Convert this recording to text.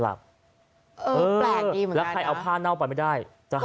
แล้วใครเอาผ้าเน่าไปไม่ได้